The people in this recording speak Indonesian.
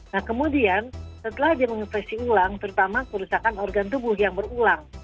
nah kemudian setelah dia menginfeksi ulang terutama kerusakan organ tubuh yang berulang